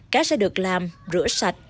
cá sẽ được làm rửa sạch